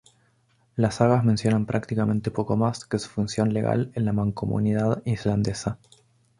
Las sagas mencionan prácticamente poco más que su función legal en la Mancomunidad Islandesa.